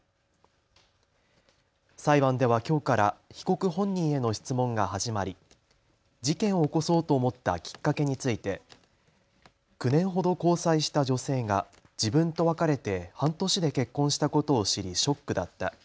裁判ではきょうから被告本人への質問が始まり事件を起こそうと思ったきっかけについて９年ほど交際した女性が自分と別れて半年で結婚したことを知りショックだった。